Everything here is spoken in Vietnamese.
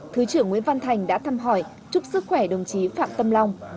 thứ trưởng nguyễn văn thành đã thăm hỏi chúc sức khỏe đồng chí phạm tâm long